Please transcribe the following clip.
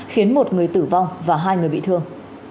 khiến một người tử vong và hai người bị thương